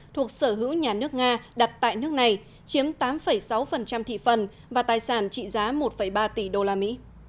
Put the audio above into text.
thuộc sở hữu nhà nước nga đặt tại nước này chiếm tám sáu thị phần và tài sản trị giá một ba tỷ đồng